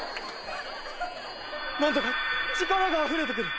何だか力があふれてくる。